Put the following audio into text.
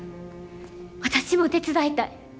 私も手伝いたい。